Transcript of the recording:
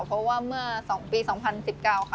เพราะว่าเมื่อ๒ปี๒๐๑๙ค่ะ